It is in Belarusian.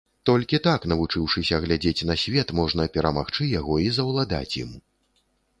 Толькі так навучыўшыся глядзець на свет, можна перамагчы яго і заўладаць ім.